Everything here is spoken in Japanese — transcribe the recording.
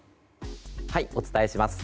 お伝えします。